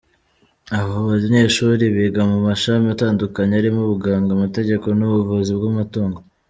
Abo banyeshuri biga mu mashami atandukanye arimo ubuganga, amategeko n’ubuvuzi bw’amatungo.